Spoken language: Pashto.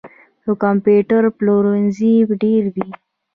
د کمپیوټر پلورنځي ډیر دي